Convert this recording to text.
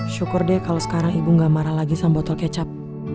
syukur deh kalau sekarang ibu gak marah lagi sama botol kecap